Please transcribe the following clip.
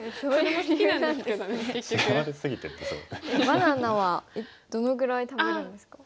バナナはどのぐらい食べるんですか？